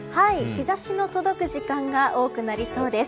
日差しの届く時間が多くなりそうです。